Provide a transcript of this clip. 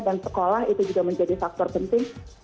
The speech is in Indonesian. dan sekolah itu juga menjadi faktor penting